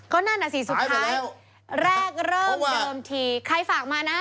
ก็นั่นน่ะสิสุดท้ายแรกเริ่มเดิมทีใครฝากมานะ